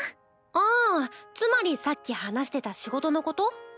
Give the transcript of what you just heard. ああつまりさっき話してた仕事のこと？